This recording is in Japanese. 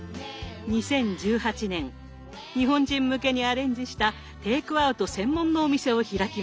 ２０１８年日本人向けにアレンジしたテイクアウト専門のお店を開きました。